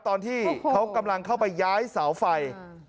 ตอนที่เขากำลังเข้าไปย้ายเสาไฟ